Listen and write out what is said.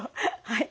はい。